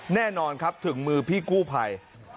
แน่นอนครับถึงมือพี่กู้ภัย